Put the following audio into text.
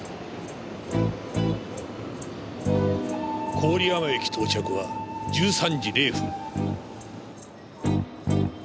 郡山駅到着は１３時０分。